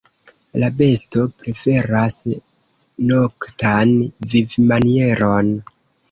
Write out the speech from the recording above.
La besto preferas noktan vivmanieron.